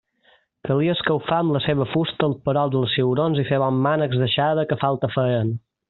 Calia escalfar amb la seua fusta el perol de cigrons i fer bons mànecs d'aixada, que falta feien.